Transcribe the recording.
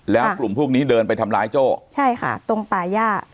แล้วกลุ่มพวกนี้เดินไปทำร้ายโจ้ใช่ค่ะตรงป่าย่า